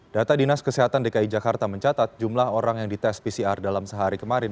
data dinas kesehatan dki jakarta mencatat jumlah orang yang dites pcr dalam sehari kemarin